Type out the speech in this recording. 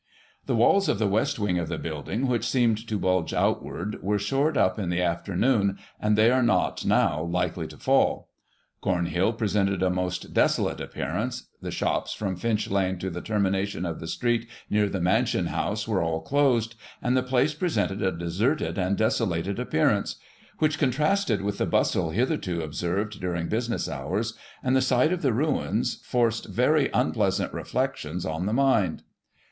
" The walls of the west wing of the building, which seemed to bulge outward, were shored up in the afternoon, and they are not, now, likely to fall. Comhill presented a most desolate appearance, the shops, from Finch Lane to the termination of the street near the Mansion House, were all closed, and the place presented a deserted and desolated appearance ; which, contrasted with the bustle hitherto observed during business hours, and the sight of the ruins, forced very unpleasant Digiti ized by Google 1838] BURNING OF ROYAL EXCHANGE. 25 reflections on the mind.